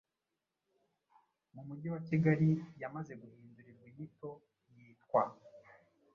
mu Mujyi wa Kigali, yamaze guhindurirwa inyito yitwa